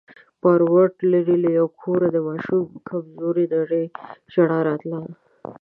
پاو ووت، ليرې له يوه کوره د ماشوم کمزورې نرۍ ژړا راتله.